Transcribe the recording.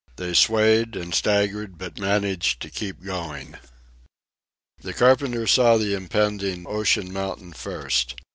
They swayed and staggered, but managed to keep going. The carpenter saw the impending ocean mountain first.